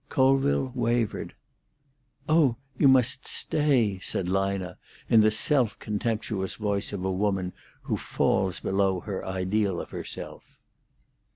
Colville wavered. "Oh, you must stay!" said Lina, in the self contemptuous voice of a woman who falls below her ideal of herself.